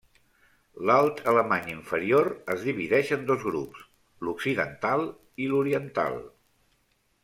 L'alt alemany inferior es divideix en dos grups: l'occidental i l'oriental.